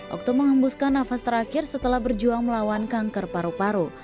okto menghembuskan nafas terakhir setelah berjuang melawan kanker paru paru